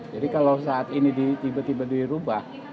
jadi kalau saat ini tiba tiba dirubah